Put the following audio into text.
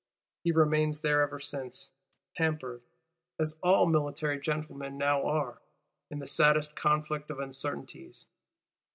He remains there ever since, hampered, as all military gentlemen now are, in the saddest conflict of uncertainties.